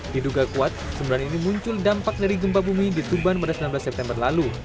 diduga kuat semburan ini muncul dampak dari gempa bumi di tuban pada sembilan belas september lalu